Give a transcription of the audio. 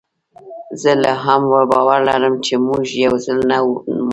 زه لا هم باور لرم چي موږ یوځل نه مرو